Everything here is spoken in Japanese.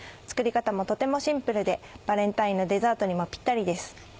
作り方もとてもシンプルでバレンタインのデザートにもぴったりです。